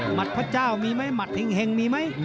พระเจ้ามีไหมหมัดเห็งมีไหม